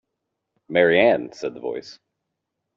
Mary Ann!’ said the voice.